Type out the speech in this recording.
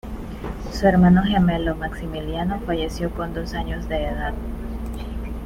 Su hermano gemelo, Maximiliano, falleció con dos años de edad.